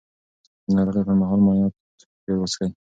د ناروغۍ پر مهال مایعات ډېر وڅښئ.